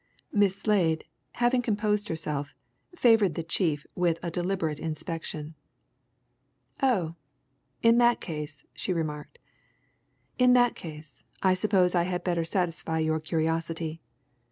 Miss Slade, having composed herself, favoured the chief with a deliberate inspection. "Oh! in that case," she remarked, "in that case, I suppose I had better satisfy your curiosity.